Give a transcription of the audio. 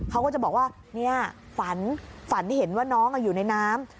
เขาก็จะบอกว่าเนี่ยฝันฝันเห็นว่าน้องอยู่ในน้ำ